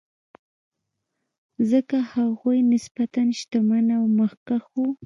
ځکه هغوی نسبتا شتمن او مخکښ وو.